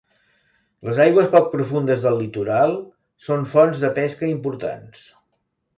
Les aigües poc profundes del litoral són fonts de pesca importants.